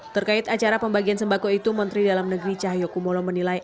terkait acara pembagian sembako itu menteri dalam negeri cahyokumolo menilai